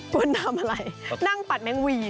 คุณทำอะไรนั่งปัดแม่งวี่เหรอ